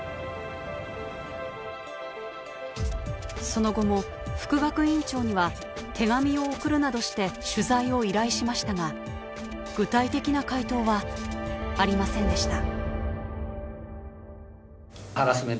その後も副学院長には手紙を送るなどして取材を依頼しましたが具体的な回答はありませんでした。